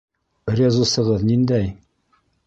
Резусығыҙ ниндәй?